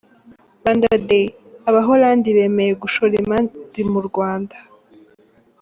Rwanda Day: Abaholandi bemeye gushora imari mu Rwanda .